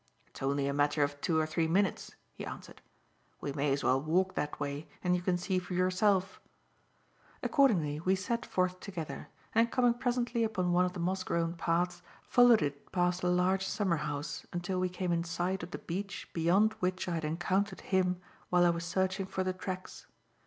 "It's only a matter of two or three minutes," he answered, "we may as well walk that way and you can see for yourself." Accordingly, we set forth together, and, coming presently upon one of the moss grown paths, followed it past a large summerhouse until we came in sight of the beech beyond which I had encountered him while I was searching for the tracks.